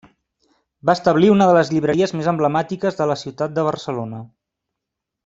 Va establir una de les llibreries més emblemàtiques de la ciutat de Barcelona.